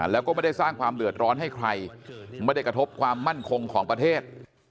แล้วก็ไม่ได้สร้างความเดือดร้อนให้ใครไม่ได้กระทบความมั่นคงของประเทศ